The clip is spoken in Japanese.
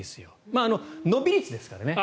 まあ、伸び率ですからね。